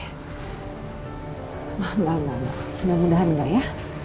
enggak enggak ma mudah mudahan enggak ya